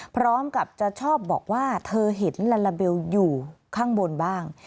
พร้อมกับจะชอบบอกว่าเธอเห็นลาลาเบลอยู่ข้างบนบ้าง